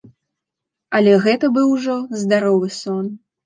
Але гэта быў ужо здаровы сон.